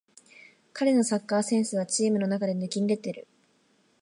彼のサッカーセンスはチームの中で抜きんでてる